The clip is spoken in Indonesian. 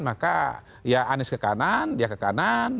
maka ya anies ke kanan dia ke kanan